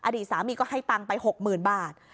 อดีตสามีก็ให้ตังค์ไป๖๐๐๐บาท